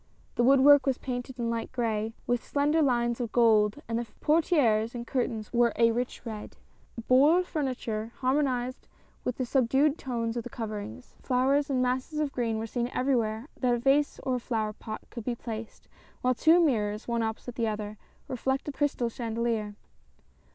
The woodwork was painted in light gray, with slender lines of gold, and the portieres and curtains were a rich red. Boule furniture harmonized with the 5 82 C L O T I L D E . subdued tones of the coverings. Flowers and masses of green were seen everywhere that a vase or a flower pot could be placed, while two mirrors — one opposite the other — reflected the crystal chandelier.